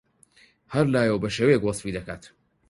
هەر لایەو بەشێوەیەک وەسفی دەکات